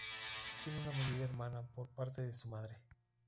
Tiene una media hermana por parte de su madre.